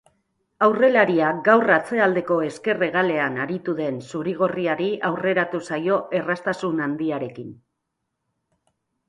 Aurrelaria gaur atzealdeko ezker hegalean aritu den zuri-gorriari aurreratu zaio erraztasun handiarekin.